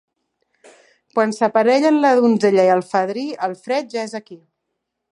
Quan s'aparellen la donzella i el fadrí, el fred ja és aquí.